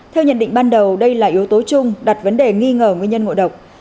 theo nhận định ban đầu đây là yếu tố chung đặt vấn đề nghi ngờ nguyên nhân ngộ độc